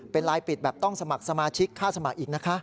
เป็นลายปิดแบบต้องสมัครสมาชิกค่าสมัครอีกนะคะ